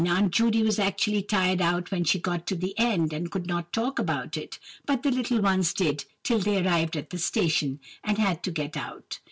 Aunt Judy was actually tired out when she got to the end, and could not talk about it, but the little ones did till they arrived at the station, and had to get out.